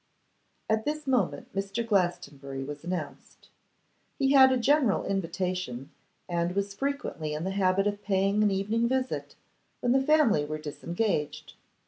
At this moment Mr. Glastonbury was announced. He had a general invitation, and was frequently in the habit of paying an evening visit when the family were disengaged.